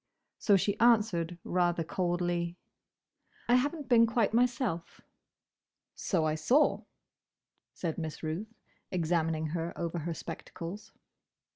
So she answered rather coldly, "I have n't been quite myself." "So I saw," said Miss Ruth, examining her over her spectacles.